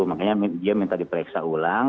makanya dia minta diperiksa ulang